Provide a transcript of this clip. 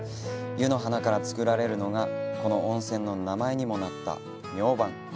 湯の花から作られるのがこの温泉の名前にもなったミョウバン。